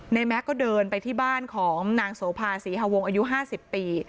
แม็กซ์ก็เดินไปที่บ้านของนางโสภาศรีฮวงอายุ๕๐ปี